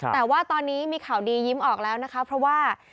แต่ว่าตอนนี้มีข่าวดียิ้มออกแล้วนะคะเพราะว่า